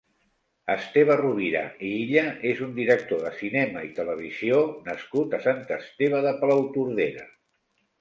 Esteve Rovira i Illa és un director de cinema i televisió nascut a Sant Esteve de Palautordera.